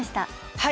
はい！